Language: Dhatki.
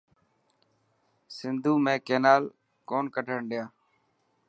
سنڌو ۾ ڪينال ڪون ڪڍڻ ڏيا.